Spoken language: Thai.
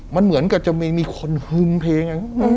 มันเหมือนกับจะไม่มีคนฮึมเพลง